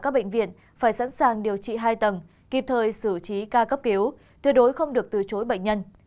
bệnh viện hà nội tuyệt đối không được từ chối bệnh nhân